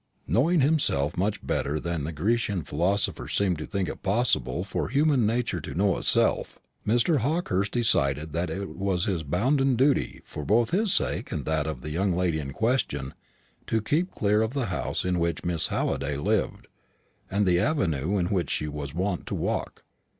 Knowing himself much better than the Grecian philosopher seemed to think it possible for human nature to know itself, Mr. Hawkehurst decided that it was his bounden duty, both for his own sake and that of the young lady in question, to keep clear of the house in which Miss Halliday lived, and the avenue in which she was wont to walk.